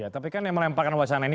tapi kan yang melemparkan wacana ini